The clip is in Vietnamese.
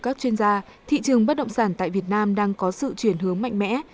thị trường bất động sản tại việt nam đang có sự chuyển hướng mạnh mẽ